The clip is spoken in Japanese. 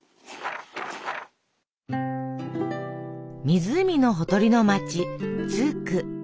湖のほとりの街ツーク。